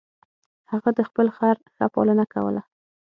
هغه د خپل خر ښه پالنه کوله.